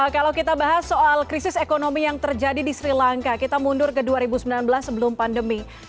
kalau kita bahas soal krisis ekonomi yang terjadi di sri lanka kita mundur ke dua ribu sembilan belas sebelum pandemi